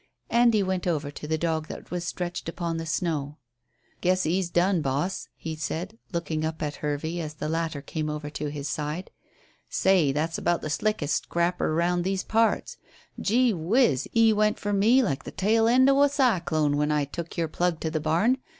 Andy went over to the dog that was stretched upon the snow. "Guess 'e's done, boss," he said, looking up at Hervey as the latter came over to his side. "Say, that's about the slickest scrapper round these parts. Gee whizz, 'e went fur me like the tail end o' a cyclone when I took your plug to the barn.